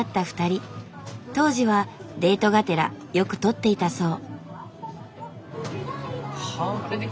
当時はデートがてらよく撮っていたそう。